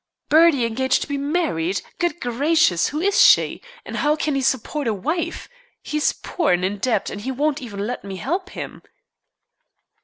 "Bertie engaged to be married! Good gracious! Who is she? And how can he support a wife? He is poor, and in debt, and he won't even let me help him."